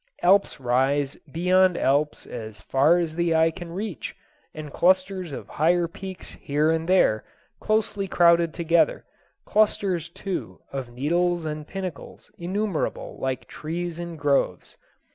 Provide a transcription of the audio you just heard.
Alps rise beyond alps as far as the eye can reach, and clusters of higher peaks here and there closely crowded together; clusters, too, of needles and pinnacles innumerable like trees in groves.